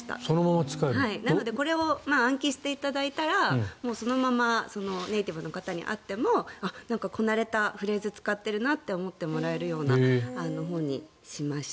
なのでこれを暗記していただいたらそのままネイティブの方に会ってもなんかこなれたフレーズを使っているなと思ってもらえるような本にしました。